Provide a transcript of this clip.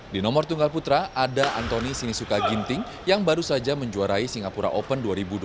di nomor tunggal putra ada antoni sinisuka ginting yang baru saja menjuarai singapura open dua ribu dua puluh tiga